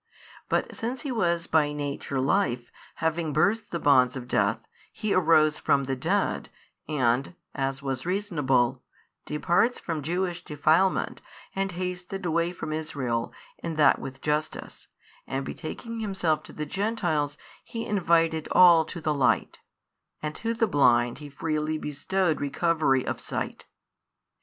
But since He was by Nature Life, having burst the bonds of death, He arose from the dead and (as was reasonable) departs from Jewish defilement and hasted away from Israel and that with justice, and betaking Himself to the Gentiles, He invited all to the Light, and to the blind He freely bestowed recovery of sight.